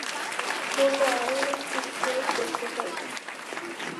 বললো আমি নাকি কিছু জিনিস দেখতে চাইবো।